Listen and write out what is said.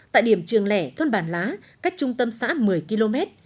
tại điểm trường lẻ thôn bản lá cách trung tâm xã một mươi km